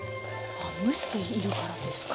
蒸しているからですか？